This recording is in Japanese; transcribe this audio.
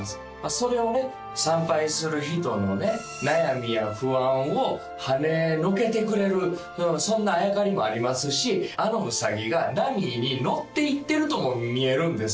それをね参拝する人のね悩みや不安をはねのけてくれるそんなあやかりもありますしあのウサギが波に乗っていってるとも見えるんです